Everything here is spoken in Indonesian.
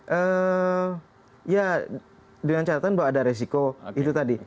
eee ya dengan catatan bahwa ada resiko itu tadi